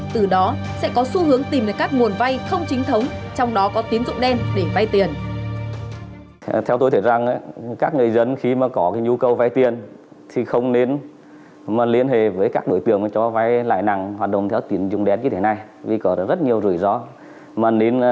từ đó sẽ có xu hướng tìm được các nguồn vay không chính thống trong đó có tín dụng đen để vay tiền